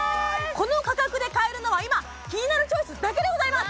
この価格で買えるのは今「キニナルチョイス」だけでございます